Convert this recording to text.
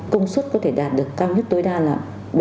công suất có thể đạt được cao nhất tối đa là